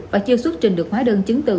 và chưa xuất trình được hóa đơn chứng từ